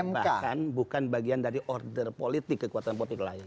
bahkan bukan bagian dari order politik kekuatan politik lain